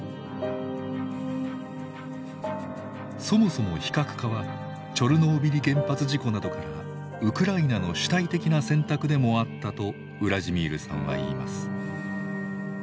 そもそも非核化はチョルノービリ原発事故などからウクライナの主体的な選択でもあったとウラジミールさんは言います。